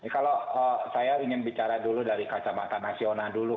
kalau saya ingin bicara dulu dari kacamata nasional dulu